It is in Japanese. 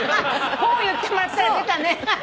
「ポー」言ってもらったら出たね。